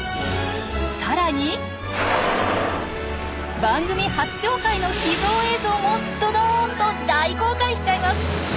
さらに番組初紹介の秘蔵映像もどどんと大公開しちゃいます！